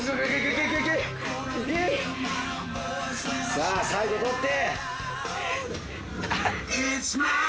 さぁ最後取って！